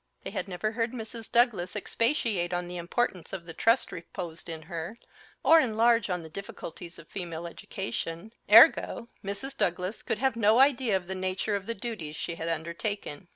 They had never heard Mrs. Douglas expatiate on the importance of the trust reposed in her, or enlarge on the difficulties of female education; ergo, Mrs. Douglas could have no idea of the nature of the duties she had undertaken.